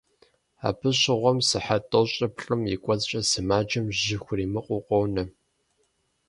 Абы щыгъуэм, сыхьэт тӏощӏрэ плӏым и кӀуэцӀкӏэ сымаджэм жьы хуримыкъуу къонэ.